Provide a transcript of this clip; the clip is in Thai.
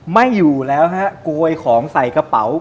ไม่อยู่แล้วฮะโกยของใส่กระเป๋า